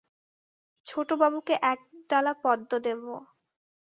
ছোটবাবুকে একডালা পদ্ম দেব।